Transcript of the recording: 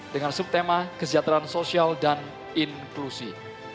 dengan subtema kesejahteraan sosial dan inklusi